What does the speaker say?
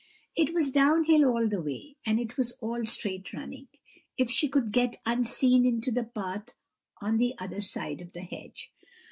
It was down hill all the way, and it was all straight running, if she could get unseen into the path on the other side of the hedge.